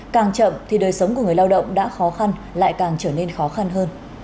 càng chậm thì đời sống của người lao động đã khó khăn lại càng trở nên khó khăn hơn